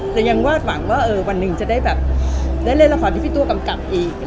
ยังวาดหวังว่าวันหนึ่งจะได้แบบได้เล่นละครที่พี่ตัวกำกับอีก